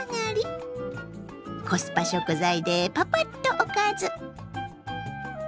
コスパ食材でパパッとおかず。